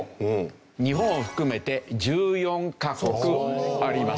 日本を含めて１４カ国あります。